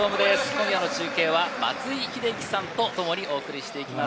今夜の中継は松井秀喜さんとともにお送りしていきます。